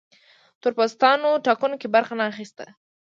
تور پوستان ټاکنو کې برخه نه اخیسته.